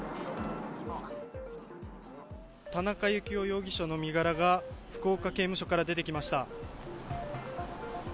田中幸雄容疑者の身柄が福岡刑務所から出てきました。